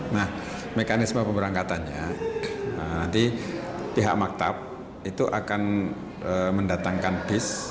nah mekanisme pemberangkatannya nanti pihak maktab itu akan mendatangkan bis